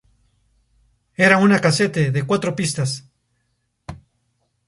Era una casete de cuatro pistas.